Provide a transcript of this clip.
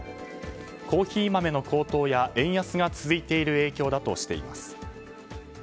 コーヒー豆の高騰や円安が続いている影響だとしています。